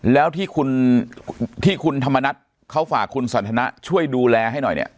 แล้วที่คุณที่คุณธรรมนัฐเขาฝากคุณสันทนะช่วยดูแลให้หน่อยเนี่ย